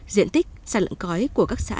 diện tích sản lượng cõi của các xã